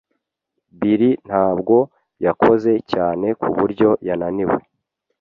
Bill ntabwo yakoze cyane kuburyo yananiwe.